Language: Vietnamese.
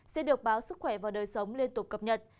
sẽ được báo sức khỏe và đời sống liên tục cập nhật